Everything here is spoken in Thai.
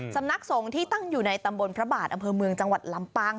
สำนักสงฆ์ที่ตั้งอยู่ในตำบลพระบาทอำเภอเมืองจังหวัดลำปาง